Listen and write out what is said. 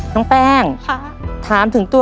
น้องแป้งค่ะ